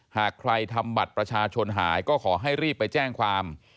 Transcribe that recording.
หากใครทำบัตรประชาชนหายก็ขอให้รีบไปแจ้งความ